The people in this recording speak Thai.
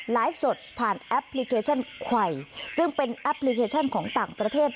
สดผ่านแอปพลิเคชันไขวซึ่งเป็นแอปพลิเคชันของต่างประเทศ